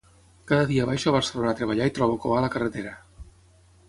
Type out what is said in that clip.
Cada dia baixo a Barcelona a treballar i trobo cua a la carretera.